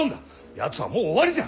やつはもう終わりじゃ！